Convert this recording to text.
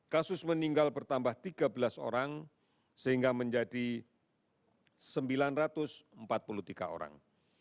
kasus meninggal bertambah tiga belas orang sehingga menjadi sembilan ratus empat puluh tiga orang